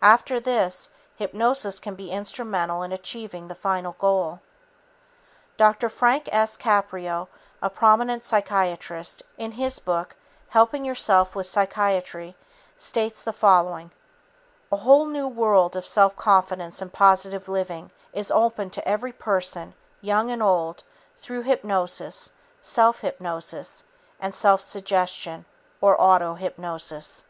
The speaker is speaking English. After this, hypnosis can be instrumental in achieving the final goal. Dr. Frank S. Caprio, a prominent psychiatrist, in his book, Helping Yourself with Psychiatry, states the following: "A whole new world of self confidence and positive living is open to every person, young and old, through hypnosis, self hypnosis and self suggestion or auto hypnosis."